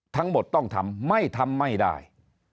ทั้งหมดต้องทำไม่ทำไม่ได้